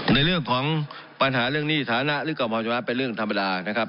ในเรื่องของปัญหาเรื่องนี้ฐานะฤทธิ์กรรมภาคมันธุรกิจเป็นเรื่องธรรมดานะครับ